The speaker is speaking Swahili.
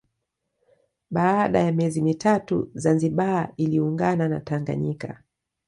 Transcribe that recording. Baada ya miezi mitatu Zanzibar iliungana na Tanganyika